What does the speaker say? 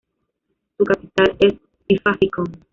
Su capital es Pfäffikon.